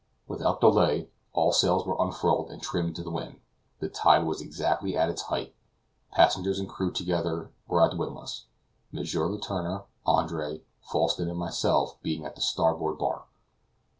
Without delay, all sails were unfurled and trimmed to the wind. The tide was exactly at its height, passengers and crew together were at the windlass, M. Letourneur, Andre, Falsten, and myself being at the starboard bar.